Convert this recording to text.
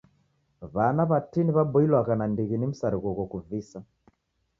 W'ana w'atini w'aboilwagha nandighi ni msarigho ghokuvisa.